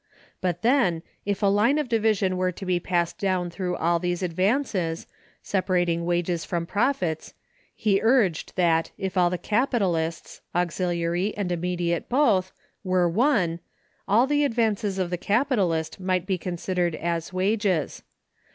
But, then, if a line of division were to be passed down through all these advances, separating wages from profits, he urged that, if all the capitalists (auxiliary and immediate both) were one, all the advances of the capitalist might be considered as wages.